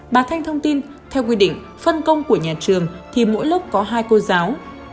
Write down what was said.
bà thanh thông tin theo quy định phân công của nhà trường thì mỗi lúc có hai cô giáo